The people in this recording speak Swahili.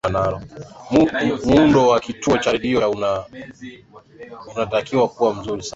muundo wa kituo cha redio cha unatakiwa kuwa mzuri sana